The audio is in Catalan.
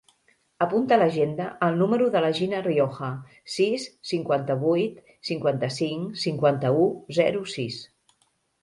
Apunta a l'agenda el número de la Gina Rioja: sis, cinquanta-vuit, cinquanta-cinc, cinquanta-u, zero, sis.